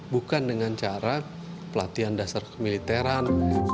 bukan dengan cara pelatihan dasar kemiliteran